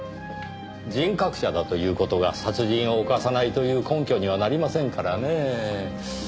人格者だという事が殺人を犯さないという根拠にはなりませんからねぇ。